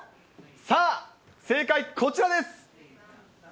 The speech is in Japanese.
さあ、正解、こちらです。